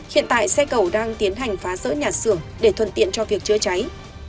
hiện tại xe cầu đang tiến hành phá rỡ nhà xưởng để thuận tiện cho việc chữa cháy